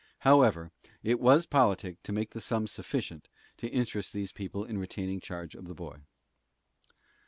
However, it was politic to make the sum sufficient to interest these people in retaining charge of the boy.